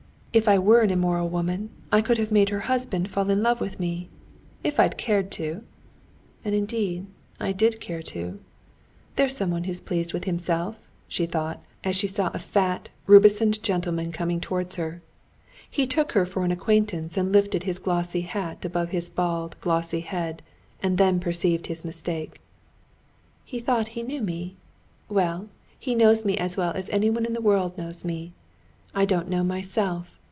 If I were an immoral woman I could have made her husband fall in love with me ... if I'd cared to. And, indeed, I did care to. There's someone who's pleased with himself," she thought, as she saw a fat, rubicund gentleman coming towards her. He took her for an acquaintance, and lifted his glossy hat above his bald, glossy head, and then perceived his mistake. "He thought he knew me. Well, he knows me as well as anyone in the world knows me. I don't know myself.